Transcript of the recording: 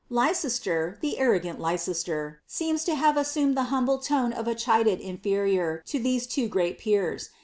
^' Leicester, the arrogant Leicester, seems to have assumed the humble tone of a chidden inferior to these two great peers.